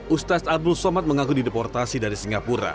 ustaz abdul somad mengaku dideportasi dari singapura